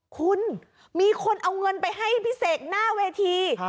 คุณมีคนเอาเงินไปให้พี่เสกหน้าเวที